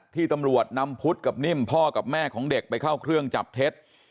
ที่ตำรวจนำพุทธกับนิ่มพ่อกับแม่ของเด็กไปเข้าเครื่องจับเท็จ